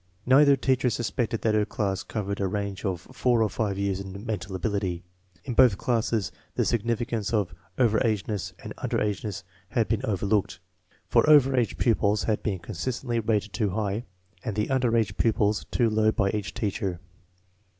Neither teacher suspected that her class covered a range of four or five years in mental ability. In both classes the significance of over ageness and under ageness had been overlooked, for over age pupils had been consistently rated too high and the under age pupils too low by each teacher.